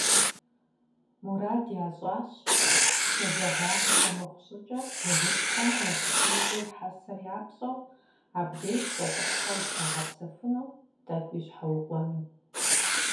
Мурад ящӀащ, шэджагъуашхэ мыхъу щӀыкӀэ жыгышхуэм нэсыхункӀэ хьэсэр япщӀэу, абдеж щӀэтӀысхьэу зыщагъэпсэхуну, тӀэкӀуи щхьэукъуэну.